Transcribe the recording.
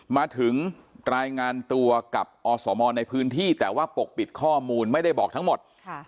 มาถึงรายงานตัวกับอสมในพื้นที่แต่ว่าปกปิดข้อมูลไม่ได้บอกทั้งหมด